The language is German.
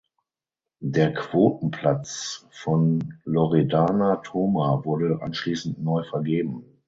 Der Quotenplatz von Loredana Toma wurde anschließend neu vergeben.